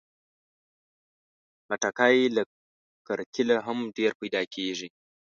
خټکی له کرکيله هم ډېر پیدا کېږي.